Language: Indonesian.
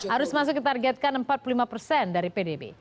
arus masuk ditargetkan empat puluh lima persen dari pdb